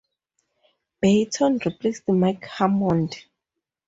Beaton replaced Mike Hammond.